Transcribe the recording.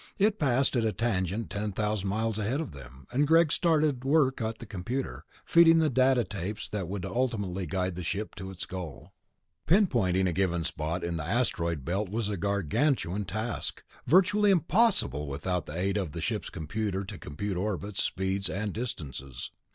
It passed at a tangent ten thousand miles ahead of them, and Greg started work at the computer, feeding in the data tapes that would ultimately guide the ship to its goal. Pinpointing a given spot in the Asteroid Belt was a gargantuan task, virtually impossible without the aid of the ship's computer to compute orbits, speeds, and distances.